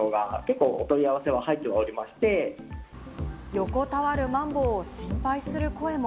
横たわるマンボウを心配する声も。